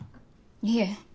いえ。